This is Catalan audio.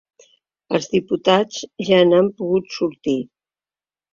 Els diputats ja n’han pogut sortir.